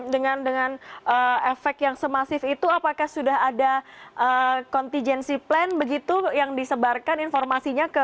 dengan efek yang semasif itu apakah sudah ada contingency plan begitu yang disebarkan informasinya